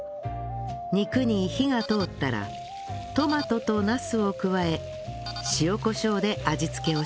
肉に火が通ったらトマトとナスを加え塩コショウで味付けをします